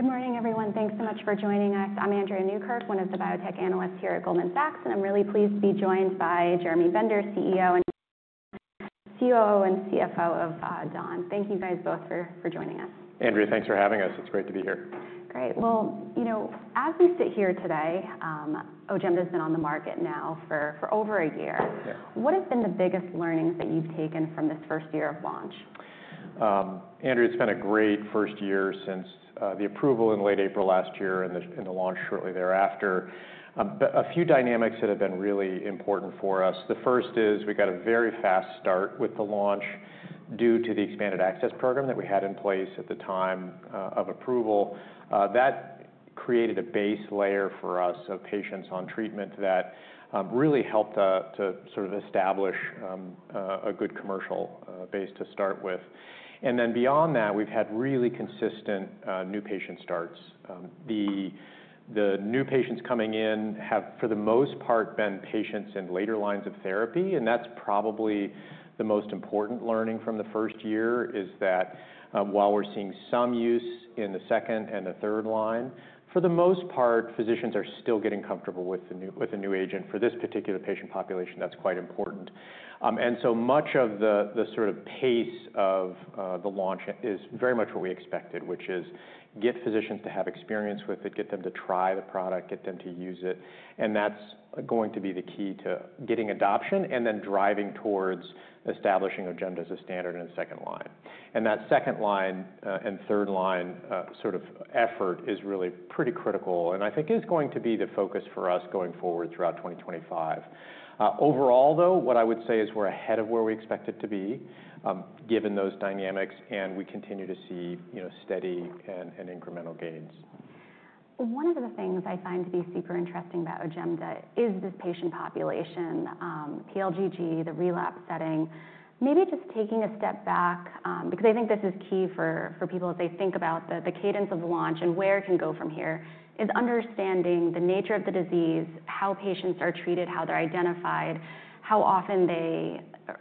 Good morning, everyone. Thanks so much for joining us. I'm Andrea Newkirk, one of the biotech analysts here at Goldman Sachs, and I'm really pleased to be joined by Jeremy Bender, CEO and COO and CFO of Day One. Thank you, you guys both, for joining us. Andrea, thanks for having us. It's great to be here. Great. You know, as we sit here today, OJEMDA has been on the market now for over a year. What have been the biggest learnings that you've taken from this first year of launch? It's been a great first year since the approval in late April last year and the launch shortly thereafter. A few dynamics that have been really important for us. The first is we got a very fast start with the launch due to the expanded access program that we had in place at the time of approval. That created a base layer for us of patients on treatment that really helped to sort of establish a good commercial base to start with. Beyond that, we've had really consistent new patient starts. The new patients coming in have, for the most part, been patients in later lines of therapy, and that's probably the most important learning from the first year, is that while we're seeing some use in the second and the third line, for the most part, physicians are still getting comfortable with a new agent. For this particular patient population, that's quite important. Much of the sort of pace of the launch is very much what we expected, which is get physicians to have experience with it, get them to try the product, get them to use it. That is going to be the key to getting adoption and then driving towards establishing OJEMDA as a standard in the second line. That second line and third line sort of effort is really pretty critical and I think is going to be the focus for us going forward throughout 2025. Overall, though, what I would say is we're ahead of where we expected to be, given those dynamics, and we continue to see steady and incremental gains. One of the things I find to be super interesting about OJEMDA is this patient population, pLGG, the relapse setting. Maybe just taking a step back, because I think this is key for people as they think about the cadence of launch and where it can go from here, is understanding the nature of the disease, how patients are treated, how they're identified, how often they,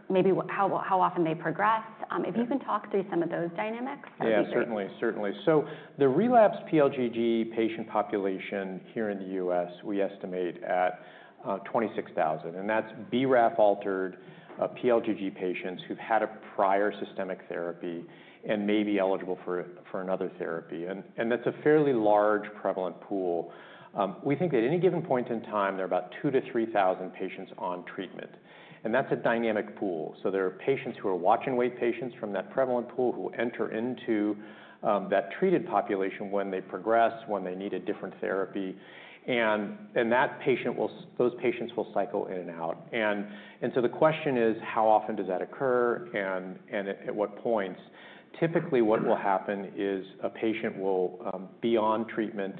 maybe how often they progress. If you can talk through some of those dynamics. Yeah, certainly, certainly. The relapsed pLGG patient population here in the U.S., we estimate at 26,000, and that's BRAF-altered pLGG patients who've had a prior systemic therapy and may be eligible for another therapy. That's a fairly large prevalent pool. We think at any given point in time, there are about 2,000-3,000 patients on treatment, and that's a dynamic pool. There are patients who are watch-and-wait patients from that prevalent pool who enter into that treated population when they progress, when they need a different therapy, and that patient will, those patients will cycle in and out. The question is, how often does that occur and at what points? Typically, what will happen is a patient will be on treatment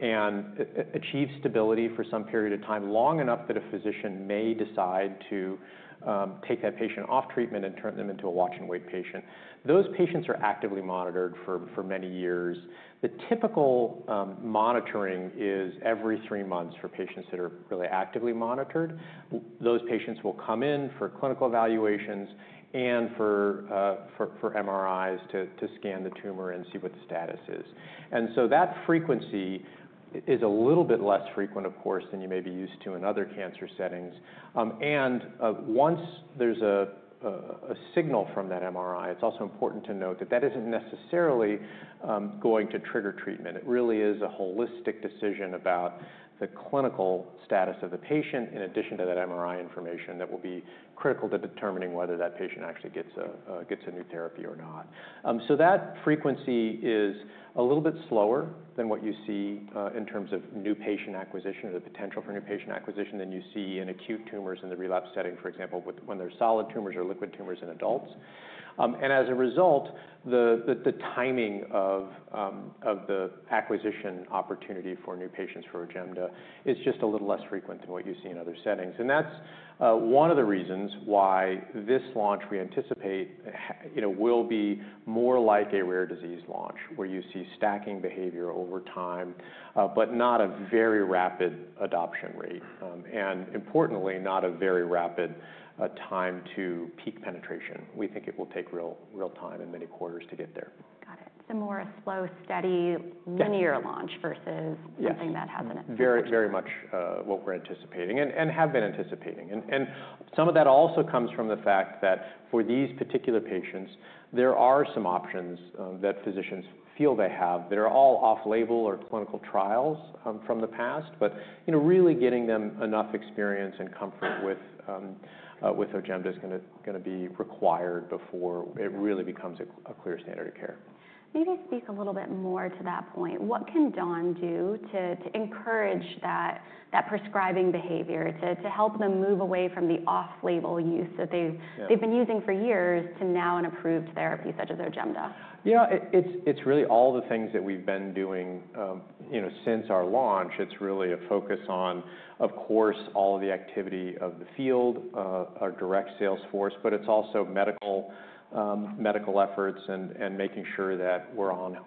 and achieve stability for some period of time, long enough that a physician may decide to take that patient off treatment and turn them into a watch-and-wait patient. Those patients are actively monitored for many years. The typical monitoring is every three months for patients that are really actively monitored. Those patients will come in for clinical evaluations and for MRIs to scan the tumor and see what the status is. That frequency is a little bit less frequent, of course, than you may be used to in other cancer settings. Once there is a signal from that MRI, it is also important to note that that is not necessarily going to trigger treatment. It really is a holistic decision about the clinical status of the patient, in addition to that MRI information that will be critical to determining whether that patient actually gets a new therapy or not. That frequency is a little bit slower than what you see in terms of new patient acquisition or the potential for new patient acquisition than you see in acute tumors in the relapse setting, for example, when there are solid tumors or liquid tumors in adults. As a result, the timing of the acquisition opportunity for new patients for OJEMDA is just a little less frequent than what you see in other settings. That is one of the reasons why this launch we anticipate will be more like a rare disease launch, where you see stacking behavior over time, but not a very rapid adoption rate. Importantly, not a very rapid time to peak penetration. We think it will take real time and many quarters to get there. Got it. More a slow, steady, linear launch versus something that has an effect. Yes, very much what we're anticipating and have been anticipating. Some of that also comes from the fact that for these particular patients, there are some options that physicians feel they have that are all off-label or clinical trials from the past, but really getting them enough experience and comfort with OJEMDA is going to be required before it really becomes a clear standard of care. Maybe speak a little bit more to that point. What can Day One do to encourage that prescribing behavior, to help them move away from the off-label use that they've been using for years to now an approved therapy such as OJEMDA? You know, it's really all the things that we've been doing since our launch. It's really a focus on, of course, all of the activity of the field, our direct sales force, but it's also medical efforts and making sure that we're on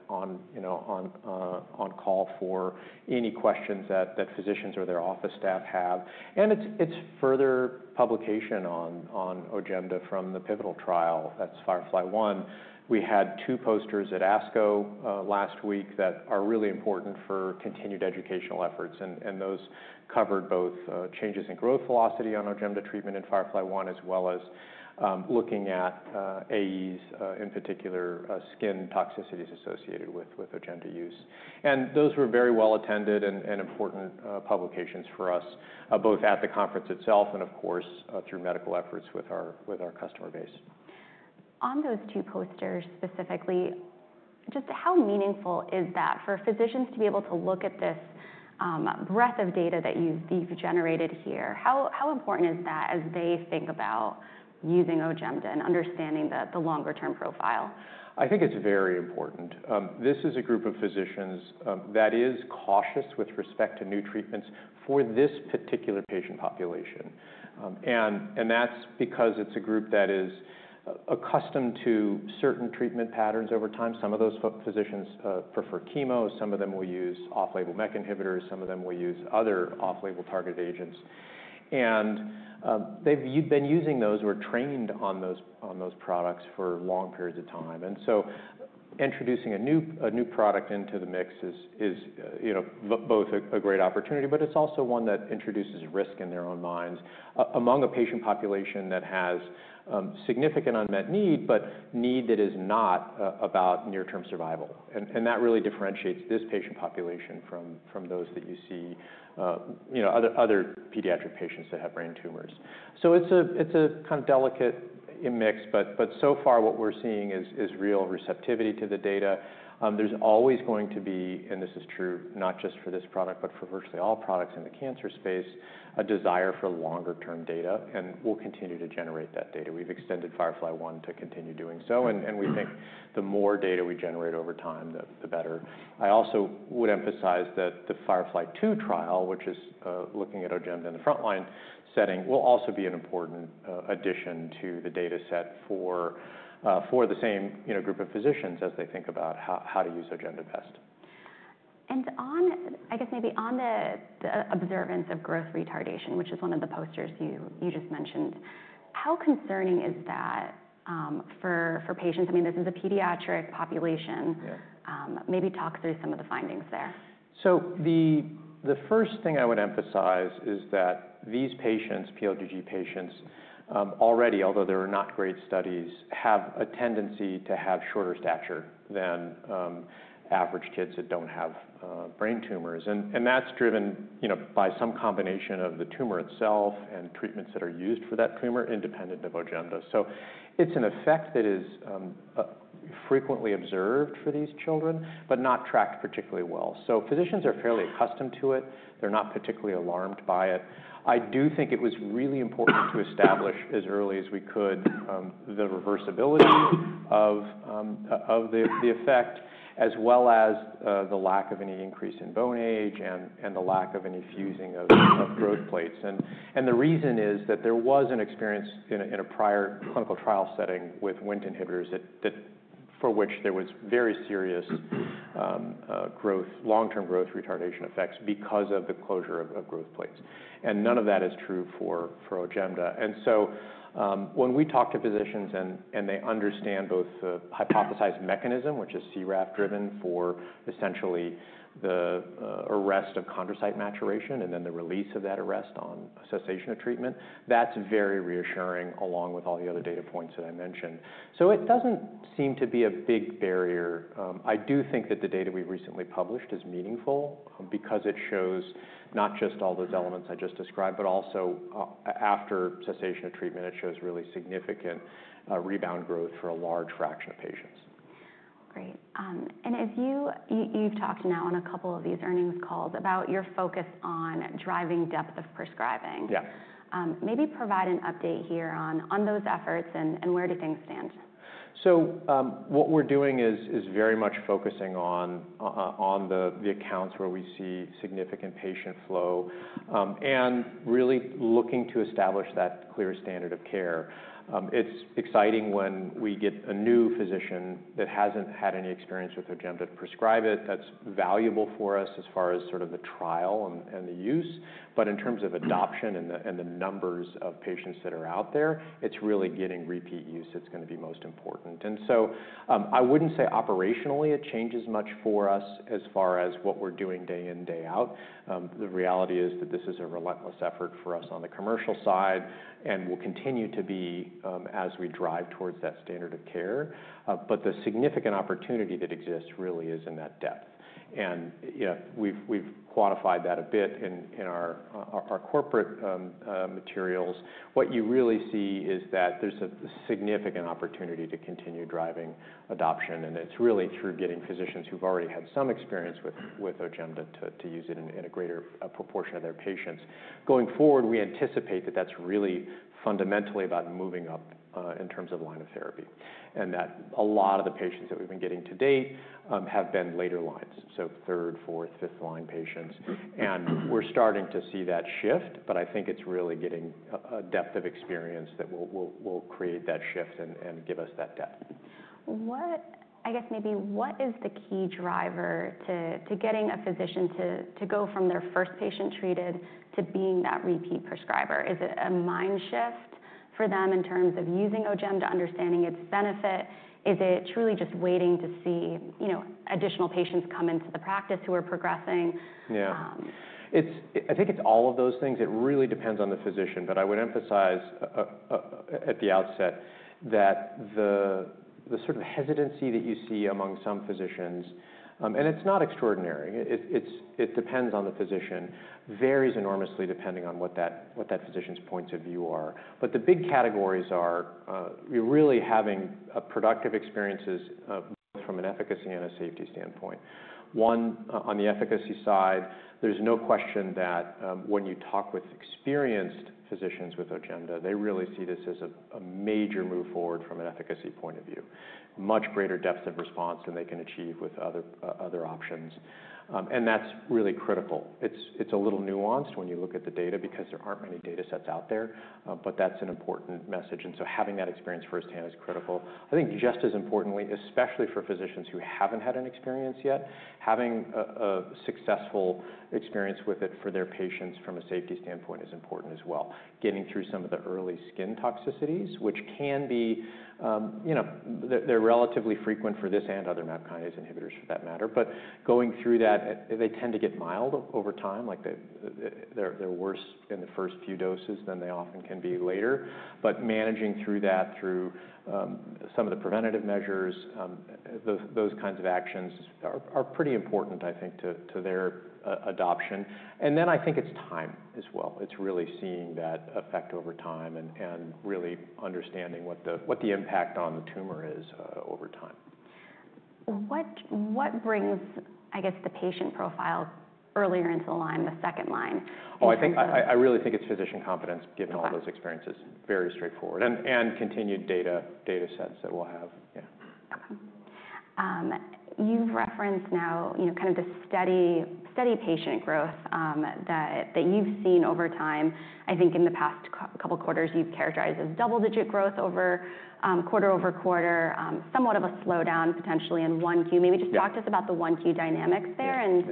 call for any questions that physicians or their office staff have. It's further publication on OJEMDA from the pivotal trial that's FIREFLY-1. We had two posters at ASCO last week that are really important for continued educational efforts, and those covered both changes in growth velocity on OJEMDA treatment in FIREFLY-1, as well as looking at AEs, in particular skin toxicities associated with OJEMDA use. Those were very well attended and important publications for us, both at the conference itself and, of course, through medical efforts with our customer base. On those two posters specifically, just how meaningful is that for physicians to be able to look at this breadth of data that you've generated here? How important is that as they think about using OJEMDA and understanding the longer-term profile? I think it's very important. This is a group of physicians that is cautious with respect to new treatments for this particular patient population. That's because it's a group that is accustomed to certain treatment patterns over time. Some of those physicians prefer chemo. Some of them will use off-label MEK inhibitors. Some of them will use other off-label targeted agents. They've been using those or trained on those products for long periods of time. Introducing a new product into the mix is both a great opportunity, but it's also one that introduces risk in their own minds among a patient population that has significant unmet need, but need that is not about near-term survival. That really differentiates this patient population from those that you see, other pediatric patients that have brain tumors. It's a kind of delicate mix, but so far what we're seeing is real receptivity to the data. There's always going to be, and this is true not just for this product, but for virtually all products in the cancer space, a desire for longer-term data, and we'll continue to generate that data. We've extended FIREFLY-1 to continue doing so, and we think the more data we generate over time, the better. I also would emphasize that the FIREFLY-2 Trial, which is looking at OJEMDA in the frontline setting, will also be an important addition to the data set for the same group of physicians as they think about how to use OJEMDA best. I guess maybe on the observance of growth retardation, which is one of the posters you just mentioned, how concerning is that for patients? I mean, this is a pediatric population. Maybe talk through some of the findings there. The first thing I would emphasize is that these patients, pLGG patients, already, although there are not great studies, have a tendency to have shorter stature than average kids that do not have brain tumors. That is driven by some combination of the tumor itself and treatments that are used for that tumor independent of OJEMDA. It is an effect that is frequently observed for these children, but not tracked particularly well. Physicians are fairly accustomed to it. They are not particularly alarmed by it. I do think it was really important to establish as early as we could the reversibility of the effect, as well as the lack of any increase in bone age and the lack of any fusing of growth plates. The reason is that there was an experience in a prior clinical trial setting with Wnt inhibitors for which there was very serious long-term growth retardation effects because of the closure of growth plates. None of that is true for OJEMDA. When we talk to physicians and they understand both the hypothesized mechanism, which is CRAF-driven for essentially the arrest of chondrocyte maturation and then the release of that arrest on cessation of treatment, that is very reassuring along with all the other data points that I mentioned. It does not seem to be a big barrier. I do think that the data we have recently published is meaningful because it shows not just all those elements I just described, but also after cessation of treatment, it shows really significant rebound growth for a large fraction of patients. Great. You have talked now on a couple of these earnings calls about your focus on driving depth of prescribing. Yeah. Maybe provide an update here on those efforts and where do things stand? What we're doing is very much focusing on the accounts where we see significant patient flow and really looking to establish that clear standard of care. It's exciting when we get a new physician that hasn't had any experience with OJEMDA to prescribe it. That's valuable for us as far as sort of the trial and the use. In terms of adoption and the numbers of patients that are out there, it's really getting repeat use that's going to be most important. I wouldn't say operationally it changes much for us as far as what we're doing day in, day out. The reality is that this is a relentless effort for us on the commercial side, and it will continue to be as we drive towards that standard of care. The significant opportunity that exists really is in that depth. We have quantified that a bit in our corporate materials. What you really see is that there is a significant opportunity to continue driving adoption, and it is really through getting physicians who have already had some experience with OJEMDA to use it in a greater proportion of their patients. Going forward, we anticipate that is really fundamentally about moving up in terms of line of therapy and that a lot of the patients that we have been getting to date have been later lines, so third, fourth, fifth line patients. We are starting to see that shift, but I think it is really getting a depth of experience that will create that shift and give us that depth. I guess maybe what is the key driver to getting a physician to go from their first patient treated to being that repeat prescriber? Is it a mind shift for them in terms of using OJEMDA, understanding its benefit? Is it truly just waiting to see additional patients come into the practice who are progressing? Yeah. I think it's all of those things. It really depends on the physician, but I would emphasize at the outset that the sort of hesitancy that you see among some physicians, and it's not extraordinary. It depends on the physician, varies enormously depending on what that physician's points of view are. The big categories are really having productive experiences both from an efficacy and a safety standpoint. One, on the efficacy side, there's no question that when you talk with experienced physicians with OJEMDA, they really see this as a major move forward from an efficacy point of view, much greater depth of response than they can achieve with other options. That's really critical. It's a little nuanced when you look at the data because there aren't many data sets out there, but that's an important message. Having that experience firsthand is critical. I think just as importantly, especially for physicians who haven't had an experience yet, having a successful experience with it for their patients from a safety standpoint is important as well. Getting through some of the early skin toxicities, which can be, they're relatively frequent for this and other MEK inhibitors for that matter, but going through that, they tend to get mild over time. They're worse in the first few doses than they often can be later. Managing through that, through some of the preventative measures, those kinds of actions are pretty important, I think, to their adoption. I think it's time as well. It's really seeing that effect over time and really understanding what the impact on the tumor is over time. What brings, I guess, the patient profile earlier into the line, the second line? Oh, I really think it's physician competence given all those experiences. Very straightforward. And continued data sets that we'll have. Yeah. Okay. You've referenced now kind of the steady patient growth that you've seen over time. I think in the past couple of quarters, you've characterized as double-digit growth quarter-over-quarter, somewhat of a slowdown potentially in Q1. Maybe just talk to us about the Q1 dynamics there. And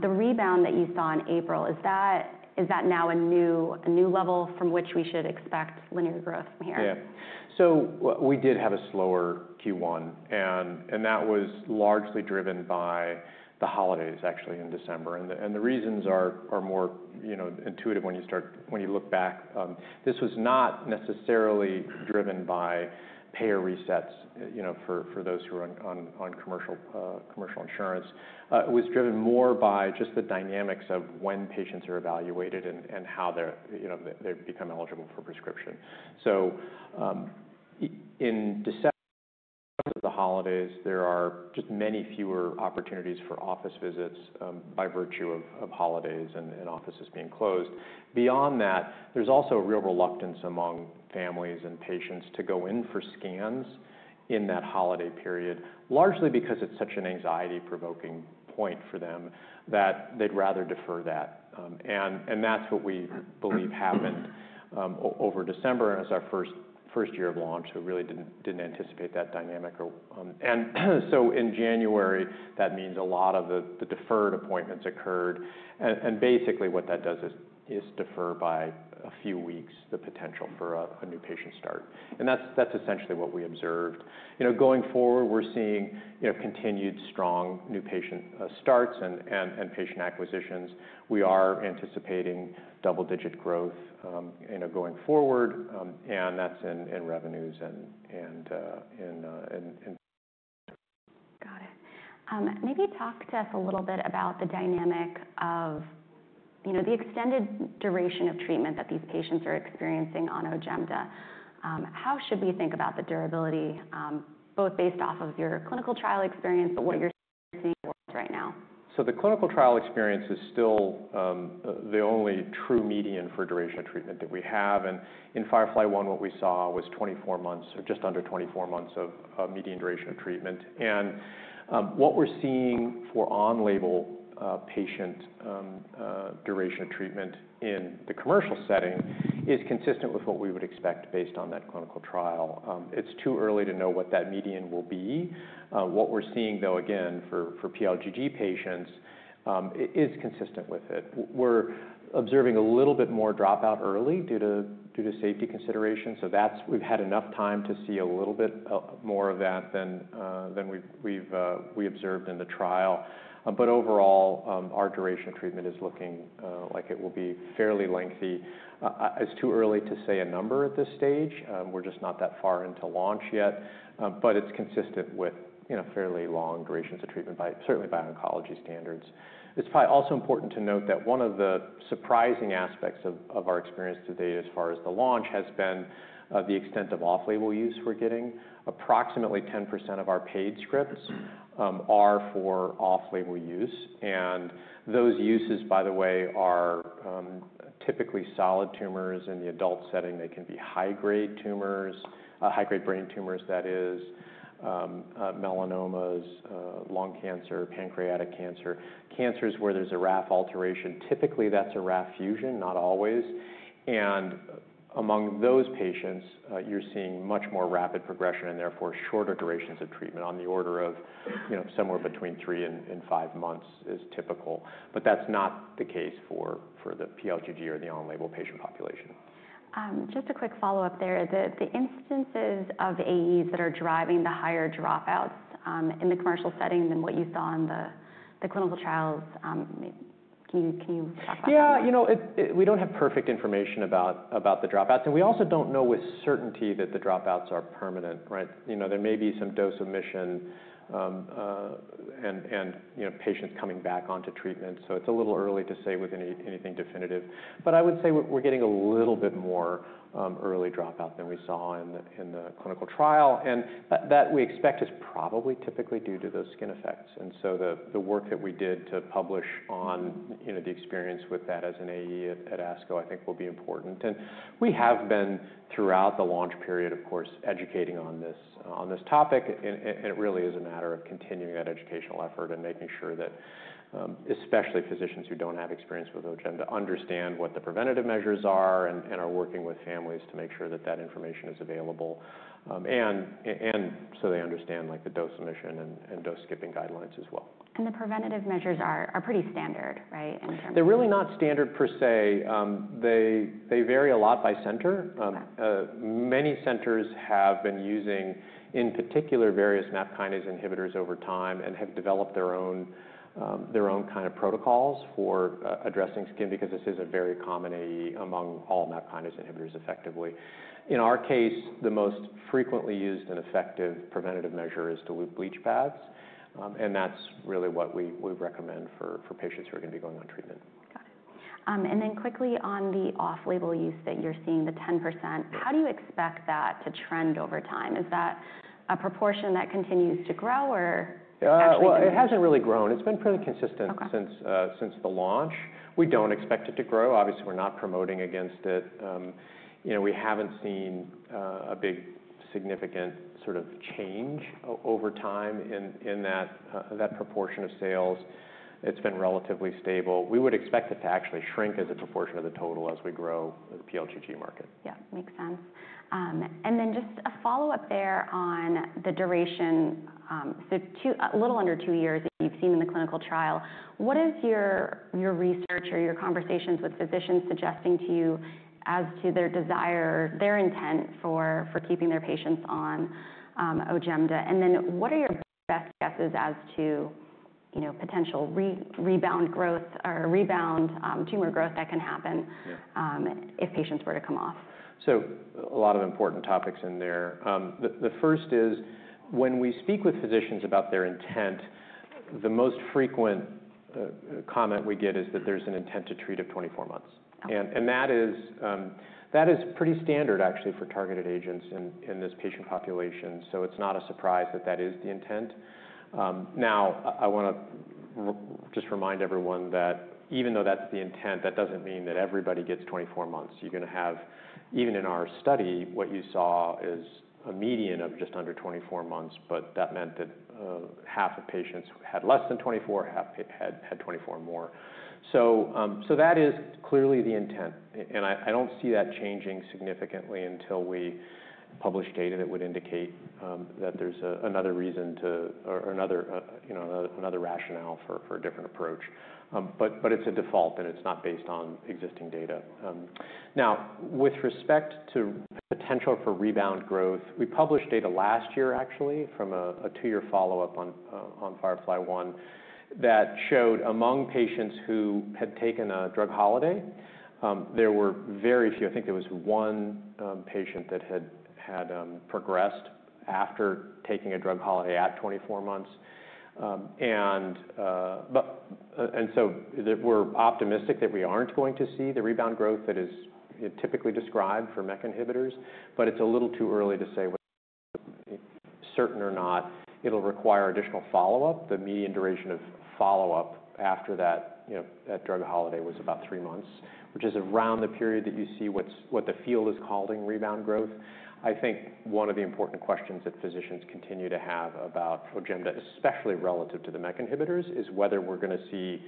the rebound that you saw in April, is that now a new level from which we should expect linear growth from here? Yeah. We did have a slower Q1, and that was largely driven by the holidays, actually, in December. The reasons are more intuitive when you look back. This was not necessarily driven by payer resets for those who are on commercial insurance. It was driven more by just the dynamics of when patients are evaluated and how they become eligible for prescription. In December, the holidays, there are just many fewer opportunities for office visits by virtue of holidays and offices being closed. Beyond that, there's also real reluctance among families and patients to go in for scans in that holiday period, largely because it's such an anxiety-provoking point for them that they'd rather defer that. That's what we believe happened over December as our first year of launch. We really didn't anticipate that dynamic. In January, that means a lot of the deferred appointments occurred. Basically what that does is defer by a few weeks the potential for a new patient start. That is essentially what we observed. Going forward, we are seeing continued strong new patient starts and patient acquisitions. We are anticipating double-digit growth going forward, and that is in revenues and in. Got it. Maybe talk to us a little bit about the dynamic of the extended duration of treatment that these patients are experiencing on OJEMDA. How should we think about the durability, both based off of your clinical trial experience, but what you're seeing works right now? The clinical trial experience is still the only true median for duration of treatment that we have. In FIREFLY-1, what we saw was 24 months, or just under 24 months of median duration of treatment. What we're seeing for on-label patient duration of treatment in the commercial setting is consistent with what we would expect based on that clinical trial. It's too early to know what that median will be. What we're seeing, though, again, for pLGG patients, it is consistent with it. We're observing a little bit more dropout early due to safety considerations. We've had enough time to see a little bit more of that than we've observed in the trial. Overall, our duration of treatment is looking like it will be fairly lengthy. It's too early to say a number at this stage. We're just not that far into launch yet, but it's consistent with fairly long durations of treatment, certainly by oncology standards. It's probably also important to note that one of the surprising aspects of our experience to date as far as the launch has been the extent of off-label use we're getting. Approximately 10% of our paid scripts are for off-label use. Those uses, by the way, are typically solid tumors in the adult setting. They can be high-grade tumors, high-grade brain tumors, that is, melanomas, lung cancer, pancreatic cancer, cancers where there's a RAF alteration. Typically, that's a RAF fusion, not always. Among those patients, you're seeing much more rapid progression and therefore shorter durations of treatment on the order of somewhere between three and five months is typical. That's not the case for the pLGG or the on-label patient population. Just a quick follow-up there. The instances of AEs that are driving the higher dropouts in the commercial setting than what you saw in the clinical trials, can you talk about that? Yeah. You know, we don't have perfect information about the dropouts, and we also don't know with certainty that the dropouts are permanent. There may be some dose omission and patients coming back onto treatment. It's a little early to say with anything definitive. I would say we're getting a little bit more early dropout than we saw in the clinical trial. That we expect is probably typically due to those skin effects. The work that we did to publish on the experience with that as an AE at ASCO, I think will be important. We have been throughout the launch period, of course, educating on this topic. It really is a matter of continuing that educational effort and making sure that especially physicians who do not have experience with OJEMDA understand what the preventative measures are and are working with families to make sure that that information is available and so they understand the dose omission and dose skipping guidelines as well. The preventative measures are pretty standard, right? They're really not standard per se. They vary a lot by center. Many centers have been using, in particular, various MEK inhibitors over time and have developed their own kind of protocols for addressing skin because this is a very common AE among all MEK inhibitors effectively. In our case, the most frequently used and effective preventative measure is to use bleach pads. That's really what we recommend for patients who are going to be going on treatment. Got it. And then quickly on the off-label use that you're seeing, the 10%, how do you expect that to trend over time? Is that a proportion that continues to grow or actually? It hasn't really grown. It's been pretty consistent since the launch. We don't expect it to grow. Obviously, we're not promoting against it. We haven't seen a big significant sort of change over time in that proportion of sales. It's been relatively stable. We would expect it to actually shrink as a proportion of the total as we grow the pLGG market. Yeah. Makes sense. Just a follow-up there on the duration. A little under two years that you've seen in the clinical trial. What is your research or your conversations with physicians suggesting to you as to their desire, their intent for keeping their patients on OJEMDA? What are your best guesses as to potential rebound growth or rebound tumor growth that can happen if patients were to come off? A lot of important topics in there. The first is when we speak with physicians about their intent, the most frequent comment we get is that there's an intent to treat at 24 months. That is pretty standard, actually, for targeted agents in this patient population. It is not a surprise that that is the intent. I want to just remind everyone that even though that's the intent, that does not mean that everybody gets 24 months. You're going to have, even in our study, what you saw is a median of just under 24 months, but that meant that 1/2 of patients had less than 24 months, 1/2 had 24 months or more. That is clearly the intent. I do not see that changing significantly until we publish data that would indicate that there's another reason or another rationale for a different approach. It's a default, and it's not based on existing data. Now, with respect to potential for rebound growth, we published data last year, actually, from a two-year follow-up on FIREFLY-1 that showed among patients who had taken a drug holiday, there were very few. I think there was one patient that had progressed after taking a drug holiday at 24 months. We are optimistic that we aren't going to see the rebound growth that is typically described for MEK inhibitors, but it's a little too early to say whether it's certain or not. It'll require additional follow-up. The median duration of follow-up after that drug holiday was about three months, which is around the period that you see what the field is calling rebound growth. I think one of the important questions that physicians continue to have about OJEMDA, especially relative to the MEK inhibitors, is whether we're going to see,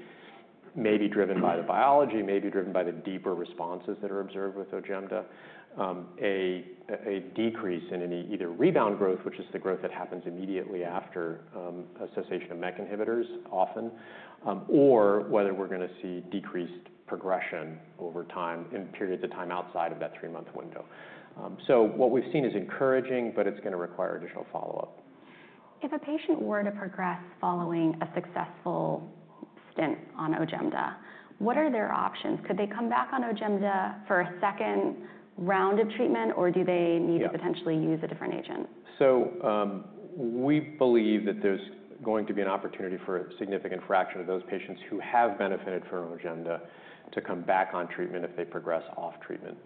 maybe driven by the biology, maybe driven by the deeper responses that are observed with OJEMDA, a decrease in any either rebound growth, which is the growth that happens immediately after a cessation of MEK inhibitors often, or whether we're going to see decreased progression over time in periods of time outside of that three-month window. What we've seen is encouraging, but it's going to require additional follow-up. If a patient were to progress following a successful stint on OJEMDA, what are their options? Could they come back on OJEMDA for a second round of treatment, or do they need to potentially use a different agent? We believe that there's going to be an opportunity for a significant fraction of those patients who have benefited from OJEMDA to come back on treatment if they progress off treatment.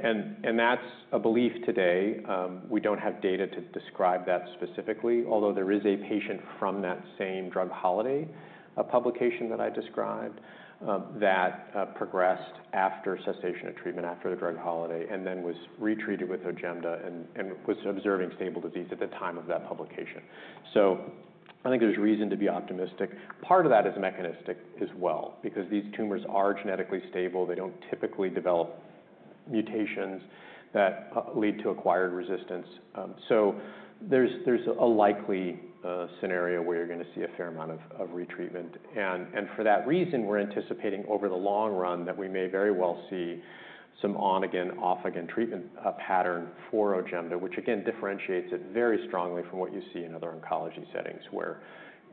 That's a belief today. We don't have data to describe that specifically, although there is a patient from that same drug holiday publication that I described that progressed after cessation of treatment, after the drug holiday, and then was retreated with OJEMDA and was observing stable disease at the time of that publication. I think there's reason to be optimistic. Part of that is mechanistic as well, because these tumors are genetically stable. They don't typically develop mutations that lead to acquired resistance. There's a likely scenario where you're going to see a fair amount of retreatment. For that reason, we're anticipating over the long run that we may very well see some on-again-off-again treatment pattern for OJEMDA, which again differentiates it very strongly from what you see in other oncology settings where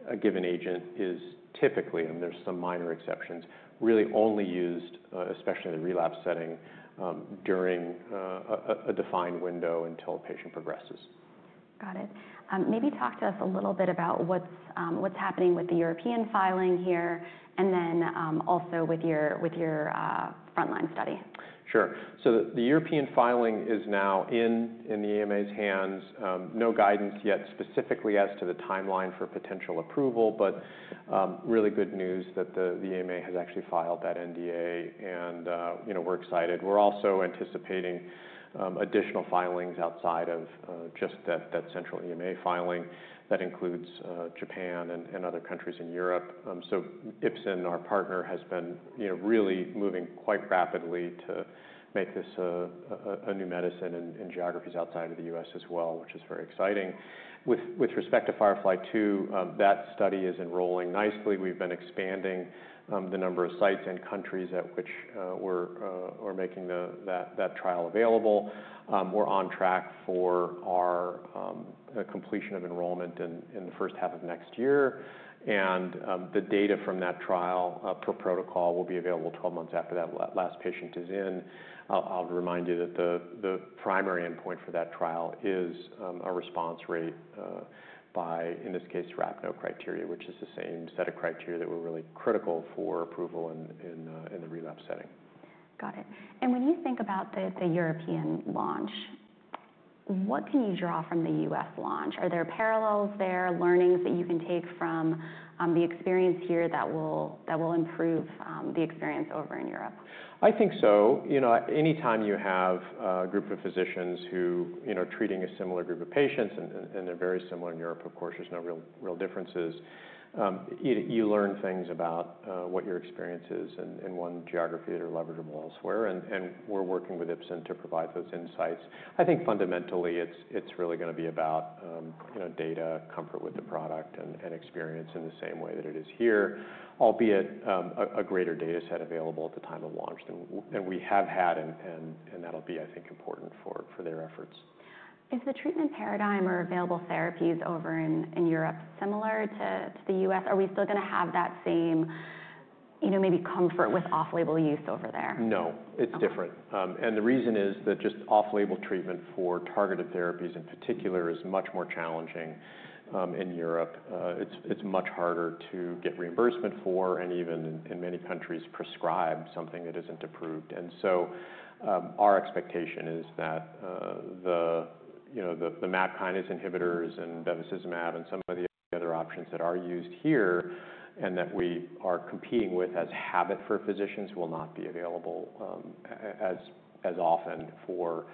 a given agent is typically, and there's some minor exceptions, really only used, especially in the relapse setting, during a defined window until a patient progresses. Got it. Maybe talk to us a little bit about what's happening with the European filing here and then also with your frontline study. Sure. The European filing is now in the EMA's hands. No guidance yet specifically as to the timeline for potential approval, but really good news that the EMA has actually filed that NDA. We're excited. We're also anticipating additional filings outside of just that central EMA filing that includes Japan and other countries in Europe. Ipsen, our partner, has been really moving quite rapidly to make this a new medicine in geographies outside of the U.S. as well, which is very exciting. With respect to FIREFLY-2, that study is enrolling nicely. We've been expanding the number of sites and countries at which we're making that trial available. We're on track for our completion of enrollment in the first half of next year. The data from that trial per protocol will be available 12 months after that last patient is in. I'll remind you that the primary endpoint for that trial is a response rate by, in this case, RAPNO criteria, which is the same set of criteria that were really critical for approval in the relapsed setting. Got it. When you think about the European launch, what can you draw from the U.S. launch? Are there parallels there, learnings that you can take from the experience here that will improve the experience over in Europe? I think so. Anytime you have a group of physicians who are treating a similar group of patients and they're very similar in Europe, of course, there's no real differences. You learn things about what your experience is in one geography that are leverageable elsewhere. We're working with Ipsen to provide those insights. I think fundamentally it's really going to be about data, comfort with the product, and experience in the same way that it is here, albeit a greater data set available at the time of launch than we have had. That'll be, I think, important for their efforts. Is the treatment paradigm or available therapies over in Europe similar to the U.S.? Are we still going to have that same maybe comfort with off-label use over there? No. It's different. The reason is that just off-label treatment for targeted therapies in particular is much more challenging in Europe. It's much harder to get reimbursement for and even, in many countries, prescribe something that isn't approved. Our expectation is that the MEK inhibitors and bevacizumab and some of the other options that are used here and that we are competing with as habit for physicians will not be available as often for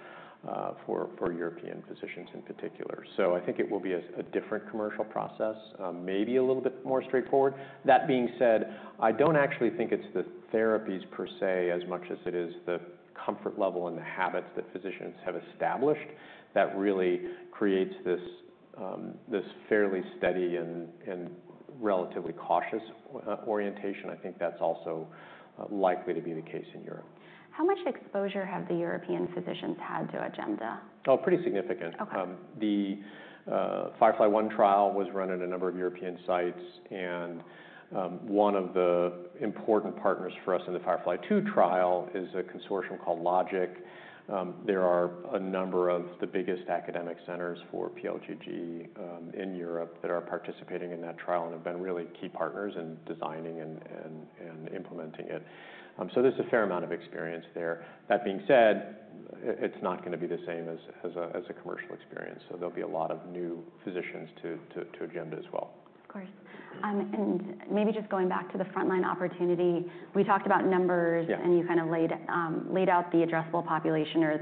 European physicians in particular. I think it will be a different commercial process, maybe a little bit more straightforward. That being said, I don't actually think it's the therapies per se as much as it is the comfort level and the habits that physicians have established that really creates this fairly steady and relatively cautious orientation. I think that's also likely to be the case in Europe. How much exposure have the European physicians had to OJEMDA? Oh, pretty significant. The FIREFLY-1 trial was run at a number of European sites. One of the important partners for us in the FIREFLY-2 trial is a consortium called LOGGIC. There are a number of the biggest academic centers for pLGG in Europe that are participating in that trial and have been really key partners in designing and implementing it. There is a fair amount of experience there. That being said, it is not going to be the same as a commercial experience. There will be a lot of new physicians to OJEMDA as well. Of course. Maybe just going back to the frontline opportunity, we talked about numbers and you kind of laid out the addressable population or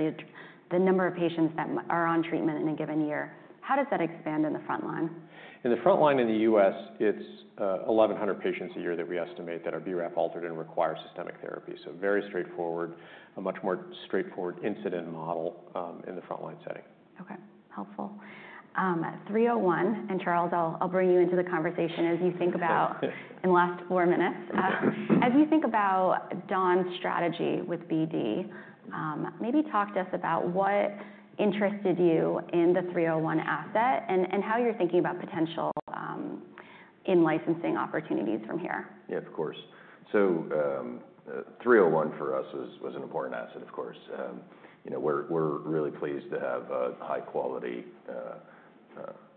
the number of patients that are on treatment in a given year. How does that expand in the frontline? In the frontline in the U.S., it's 1,100 patients a year that we estimate that are BRAF-altered and require systemic therapy. So very straightforward, a much more straightforward incident model in the frontline setting. Okay. Helpful. 301, and Charles, I'll bring you into the conversation as you think about in the last four minutes. As you think about Day One's strategy with BD, maybe talk to us about what interested you in the 301 asset and how you're thinking about potential in licensing opportunities from here. Yeah, of course. 301 for us was an important asset, of course. We're really pleased to have a high-quality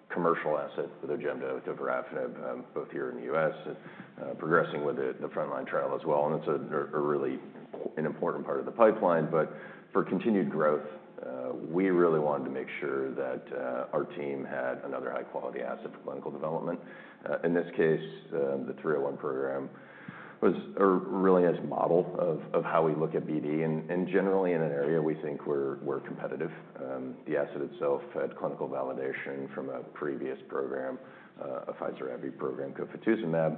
commercial asset with OJEMDA, with bevacizumab, both here in the U.S., progressing with the frontline trial as well. It's a really important part of the pipeline. For continued growth, we really wanted to make sure that our team had another high-quality asset for clinical development. In this case, the DAY301 was really a model of how we look at BD. Generally, in an area, we think we're competitive. The asset itself had clinical validation from a previous program, a Pfizer AbbVie program, Cofatuzumab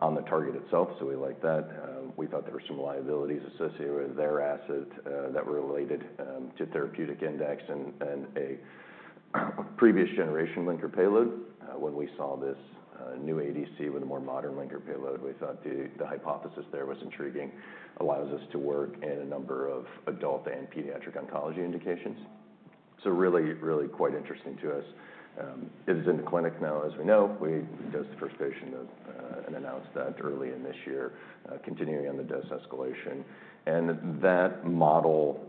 on the target itself. We liked that. We thought there were some liabilities associated with their asset that were related to therapeutic index and a previous generation linker payload. When we saw this new ADC with a more modern linker payload, we thought the hypothesis there was intriguing, allows us to work in a number of adult and pediatric oncology indications. Really, really quite interesting to us. It is in the clinic now, as we know. We dosed the first patient and announced that early in this year, continuing on the dose escalation. That model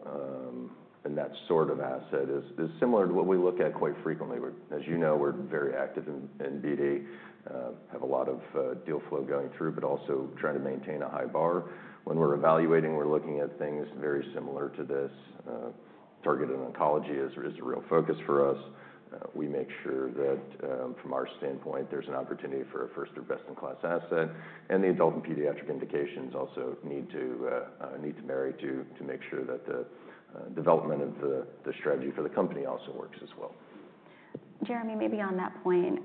and that sort of asset is similar to what we look at quite frequently. As you know, we're very active in BD, have a lot of deal flow going through, but also trying to maintain a high bar. When we're evaluating, we're looking at things very similar to this. Targeted oncology is a real focus for us. We make sure that from our standpoint, there's an opportunity for a first or best-in-class asset. The adult and pediatric indications also need to marry to make sure that the development of the strategy for the company also works as well. Jeremy, maybe on that point,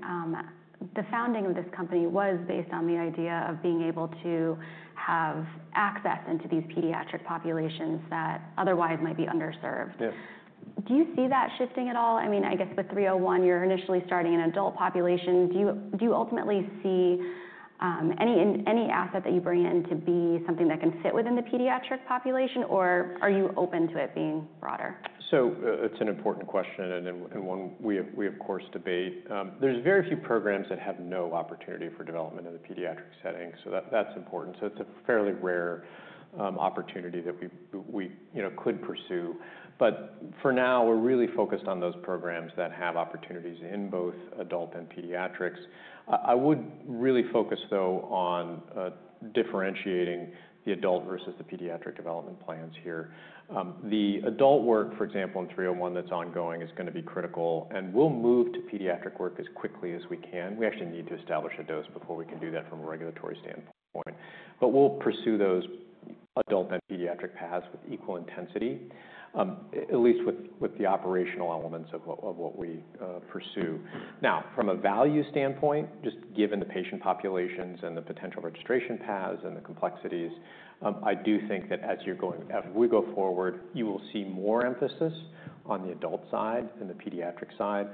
the founding of this company was based on the idea of being able to have access into these pediatric populations that otherwise might be underserved. Do you see that shifting at all? I mean, I guess with 301, you're initially starting an adult population. Do you ultimately see any asset that you bring in to be something that can fit within the pediatric population, or are you open to it being broader? It's an important question and one we, of course, debate. There are very few programs that have no opportunity for development in the pediatric setting. That's important. It's a fairly rare opportunity that we could pursue. For now, we're really focused on those programs that have opportunities in both adult and pediatrics. I would really focus, though, on differentiating the adult versus the pediatric development plans here. The adult work, for example, in 301 that's ongoing is going to be critical, and we'll move to pediatric work as quickly as we can. We actually need to establish a dose before we can do that from a regulatory standpoint. We'll pursue those adult and pediatric paths with equal intensity, at least with the operational elements of what we pursue. Now, from a value standpoint, just given the patient populations and the potential registration paths and the complexities, I do think that as we go forward, you will see more emphasis on the adult side and the pediatric side.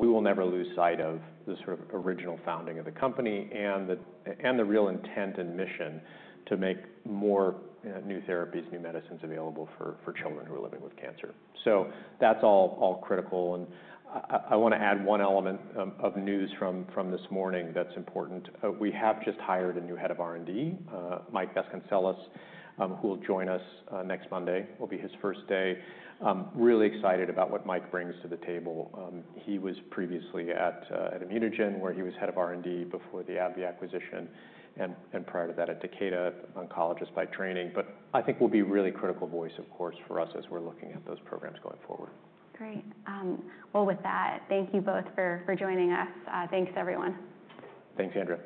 We will never lose sight of the sort of original founding of the company and the real intent and mission to make more new therapies, new medicines available for children who are living with cancer. That is all critical. I want to add one element of news from this morning that is important. We have just hired a new head of R&D, Mike Vasconcelles, who will join us next Monday. It will be his first day. Really excited about what Mike brings to the table. He was previously at ImmunoGen where he was head of R&D before the AbbVie acquisition and prior to that at Takeda, oncologist by training. I think will be a really critical voice, of course, for us as we're looking at those programs going forward. Great. With that, thank you both for joining us. Thanks, everyone. Thanks, Andrea.